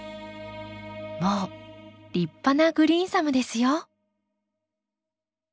もう立派なグリーンサムですよ。